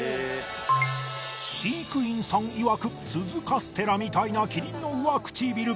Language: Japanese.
飼育員さんいわく鈴カステラみたいなキリンの上唇